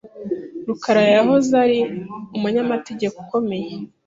rukarayahoze ari umunyamategeko ukomeye.